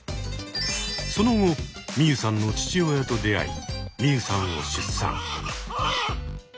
その後ミユさんの父親と出会いミユさんを出産。